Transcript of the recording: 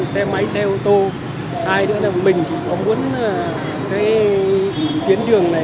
xe máy xe ô tô hai nữa là mình thì có muốn cái tuyến đường này